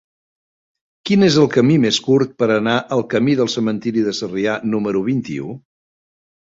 Quin és el camí més curt per anar al camí del Cementiri de Sarrià número vint-i-u?